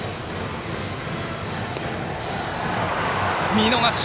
見逃し！